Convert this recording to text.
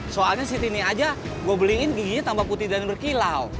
soalnya siti ini aja gue beliin giginya tambah putih dan berkilau